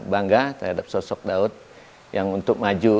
bangga terhadap sosok daud yang untuk maju